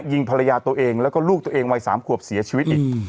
ยิงภรรยาตัวเองแล้วก็ลูกตัวเองวัย๓ขวบเสียชีวิตอีก